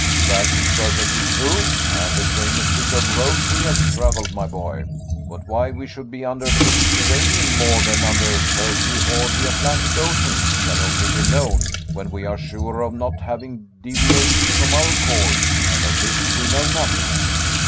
"That is perfectly true, and a famous bit of road we have traveled, my boy. But why we should be under the Mediterranean more than under Turkey or the Atlantic Ocean can only be known when we are sure of not having deviated from our course; and of this we know nothing."